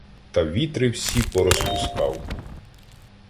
Та вітри всі порозпускав: